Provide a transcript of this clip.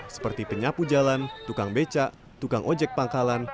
seperti penyapu jalan tukang beca tukang ojek pangkalan